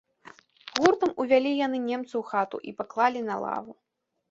Гуртам увялі яны немца ў хату і паклалі на лаву.